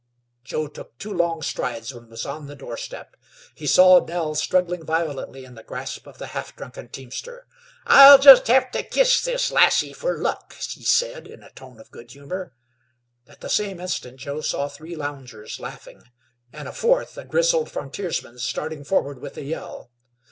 "' Joe took two long strides, and was on the door step. He saw Nell struggling violently in the grasp of the half drunken teamster. "I'll jes' hev' to kiss this lassie fer luck," he said in a tone of good humor. At the same instant Joe saw three loungers laughing, and a fourth, the grizzled frontiersman, starting forward with a yell.